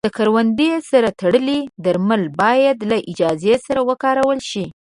د کروندې سره تړلي درمل باید له اجازې سره وکارول شي.